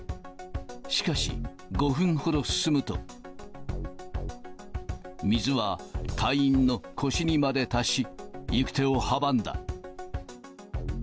しかし、５分ほど進むと、水は隊員の腰にまで達し、行く手を阻んだ。